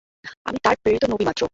আমি তাঁর প্রেরিত নবী মাত্র।